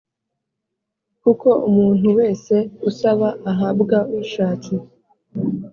kuko umuntu wese usaba ahabwa ushatse